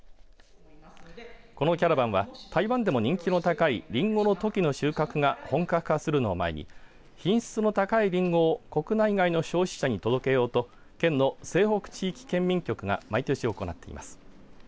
このキャラバンは台湾でも人気の高いリンゴのトキの収穫が本格化するのを前に品質の高いリンゴを国内外の消費者に届けようと県の西北地域県民局が毎年行っています。